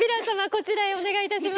こちらへお願いいたします。